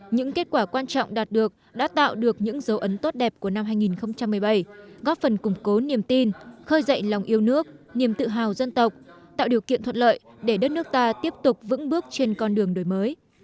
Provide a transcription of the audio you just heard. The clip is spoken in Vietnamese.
những kết quả quan trọng đạt được đã tạo được những dấu ấn tốt đẹp của năm hai nghìn một mươi bảy góp phần củng cố niềm tin khơi dậy lòng yêu nước niềm tự hào dân tộc tạo điều kiện thuận lợi để đất nước ta tiếp tục vững bước trên con đường đổi mới